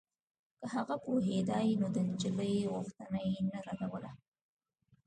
که هغه پوهېدای نو د نجلۍ غوښتنه يې نه ردوله.